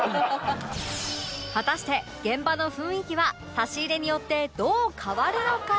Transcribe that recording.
果たして現場の雰囲気は差し入れによってどう変わるのか？